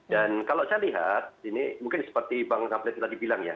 dan kalau saya lihat ini mungkin seperti bang nabil tadi bilang ya